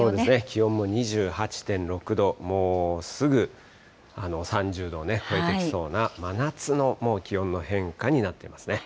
気温も２８．６度、もうすぐ３０度を超えてきそうな真夏の、もう気温の変化になってますね。